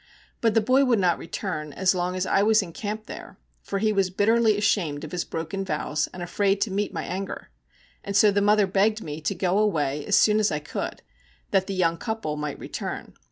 But the boy would not return as long as I was in camp there, for he was bitterly ashamed of his broken vows and afraid to meet my anger. And so the mother begged me to go away as soon as I could, that the young couple might return.